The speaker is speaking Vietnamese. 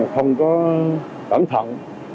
không có cẩn thận